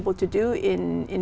và giữ được